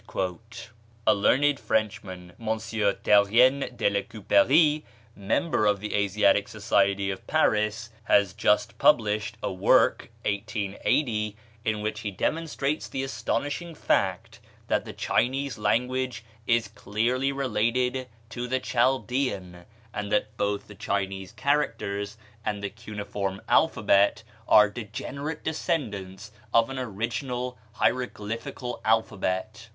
A learned Frenchman, M. Terrien de la Couperie, member of the Asiatic Society of Paris, has just published a work (1880) in which he demonstrates the astonishing fact that the Chinese language is clearly related to the Chaldean, and that both the Chinese characters and the cuneiform alphabet are degenerate descendants of an original hieroglyphical alphabet.